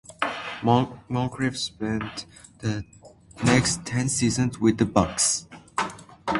Moncrief spent the next ten seasons with the Bucks.